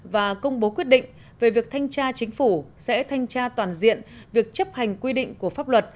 và công bố quyết định về việc thanh tra chính phủ sẽ thanh tra toàn diện việc chấp hành quy định của pháp luật